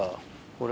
これ。